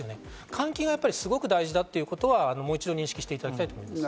換気がすごく大事だということをもう一度、認識していただきたいと思います。